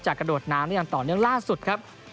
จากกระโดดน้ำต่อยังล่าสุดครับ